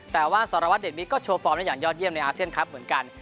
แต่ว่าสารวัตเดชมิตรก็โชว์ฟอร์มได้อย่างยอดเยี่ยมในอาเซียนครับเหมือนกัน